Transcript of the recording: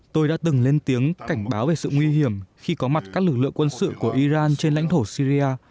tôi đã từng lên tiếng cảnh báo về sự nguy hiểm khi có mặt các lực lượng quân sự của iran trên lãnh thổ syria